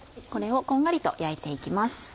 これをこんがりと焼いて行きます。